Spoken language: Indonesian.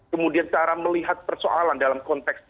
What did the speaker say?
kemudian cara melihat persoalan dalam konteks